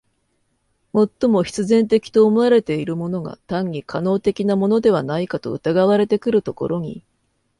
最も必然的と思われているものが単に可能的なものではないかと疑われてくるところに、